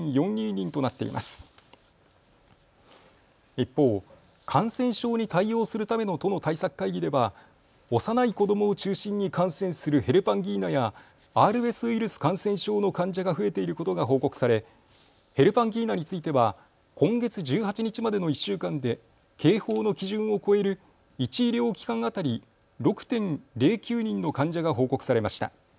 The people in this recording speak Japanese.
一方、感染症に対応するための都の対策会議では幼い子どもを中心に感染するヘルパンギーナやＲＳウイルス感染症の患者が増えていることが報告され、ヘルパンギーナについては今月１８日までの１週間で警報の基準を超える１医療機関当たり６．０９人の患者が報告されました。